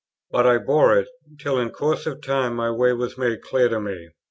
But I bore it, till in course of time my way was made clear to me.